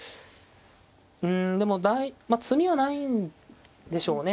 うんでも詰みはないんでしょうね。